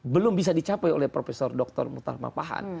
belum bisa dicapai oleh prof dr mutarma pahan